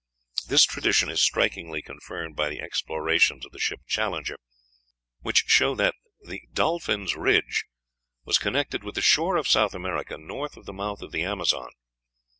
This tradition is strikingly confirmed by the explorations of the ship Challenger, which show that the "Dolphin's Ridge" was connected with the shore of South America north of the mouth of the Amazon.